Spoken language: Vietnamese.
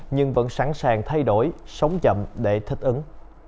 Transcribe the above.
nhưng vẫn sẵn sàng thay đổi sống chậm để thích ứng